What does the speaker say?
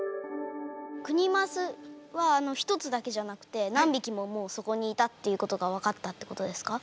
クニマスは１つだけじゃなくて何匹ももうそこにいたっていうことが分かったってことですか？